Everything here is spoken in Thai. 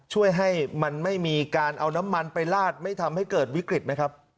ช่วยให้มันไม่มีการเอาน้ำมันไปลาดไม่ทำให้เกิดวิกฤตไหมครับ